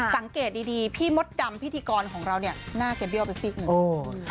สังเกตดีพี่มดดำพิธีกรของเราเนี่ยหน้าแกเบี้ยวไปซีกหนึ่ง